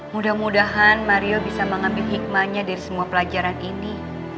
mudah mudahan mario bisa mengambil hikmahnya dari semua pelajaran ini